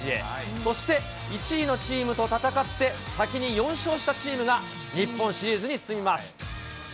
そして１位のチームと戦って、先に４勝したチームが日本シリーズに進みます。